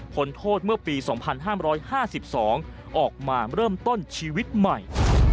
โทษเมื่อปี๒๕๕๒ออกมาเริ่มต้นชีวิตใหม่